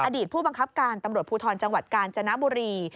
อดีตผู้บังคับการตำรวจภูทรจังหวัดกาญจนบุรี